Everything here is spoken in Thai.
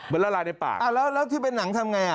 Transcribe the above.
บรรล่ารายในปากแล้วที่เป็นหนังทำไง